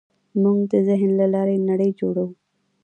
موږ د ذهن له لارې نړۍ جوړوو.